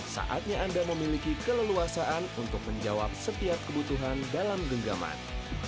saatnya anda memiliki keleluasaan untuk menjawab setiap kebutuhan dalam genggaman